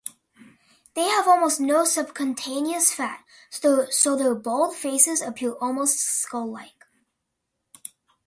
They have almost no subcutaneous fat, so their bald faces appear almost skull like.